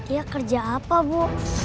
ya kerja apa bu